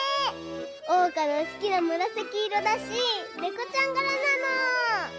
おうかのすきなむらさきいろだしネコちゃんがらなの！